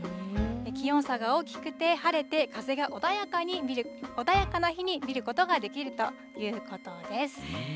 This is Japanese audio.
気温差が大きくて晴れて風が穏やかな日に見ることができるということです。